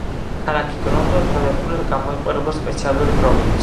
ქალაქი გროზნო თავდაპირველად გამოიყო, როგორც სპეციალური პროვინცია.